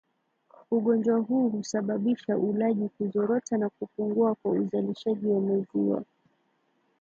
Ugonjwa huu husababisha ulaji kuzorota na kupungua kwa uzalishaji wa maziwa